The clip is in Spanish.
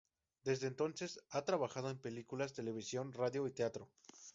Desde entonces ha trabajado en películas, televisión, radio y teatro.